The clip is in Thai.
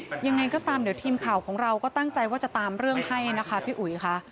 ยังไงก็ตามเดี๋ยวทีมข่าวของเราก็ตั้งใจว่าจะตามเรื่องให้นะคะพี่อุ๋ยค่ะ